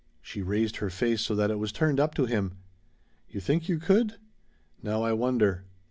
She raised her face so that it was turned up to him. "You think you could? Now I wonder."